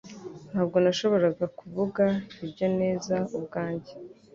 Ntabwo nashoboraga kuvuga ibyo neza ubwanjye.